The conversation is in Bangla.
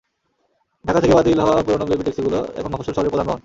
ঢাকা থেকে বাতিল হওয়া পুরোনো বেবি ট্যাক্সিগুলো এখন মফস্বল শহরের প্রধান বাহন।